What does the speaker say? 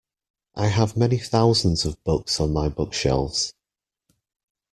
I have many thousands of books on my bookshelves.